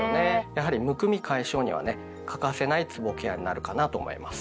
やはりむくみ解消にはね欠かせないつぼケアになるかなと思います。